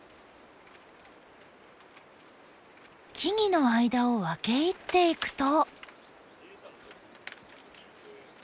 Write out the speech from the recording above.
木々の間を分け入っていくと。